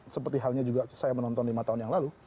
seperti halnya juga saya menonton lima tahun yang lalu